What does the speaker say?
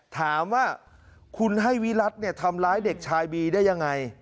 ถามว่าคุณให้วิรัติทำร้ายเด็กชายบีได้ยังไง